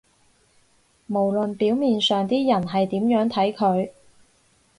無論表面上啲人係點樣睇佢